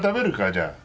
じゃあ。